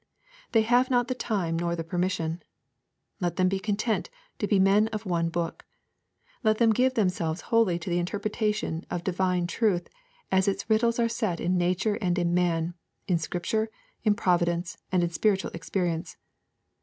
They have not the time nor the permission. Let them be content to be men of one book. Let them give themselves wholly to the interpretation of divine truth as its riddles are set in nature and in man, in scripture, in providence, and in spiritual experience.